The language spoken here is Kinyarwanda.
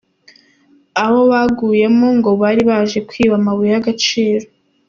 Abo baguyemo ngo bari baje kwiba amabuye y’agaciro.